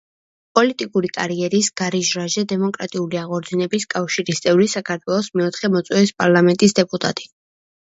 პოლიტიკური კარიერის გარიჟრაჟზე „დემოკრატიული აღორძინების კავშირის“ წევრი, საქართველოს მეოთხე მოწვევის პარლამენტის დეპუტატი.